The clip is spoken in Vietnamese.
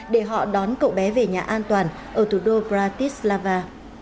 để họ đón cậu bé về nhà an toàn ở thủ đô pratislava